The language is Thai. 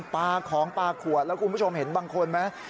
ปลาของปลาขวดแล้วคุณผู้ชมเห็นบางคนไหม